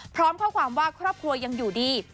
พร้อมข้อความว่าครอบครัวยังอยู่ดี